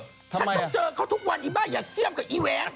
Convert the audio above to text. ฉันจะเจอก็จะเขาทุกวันอีบ้าอย่าเสี้ยบกับอีแหวน